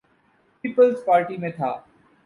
Peoples Party میں تھا۔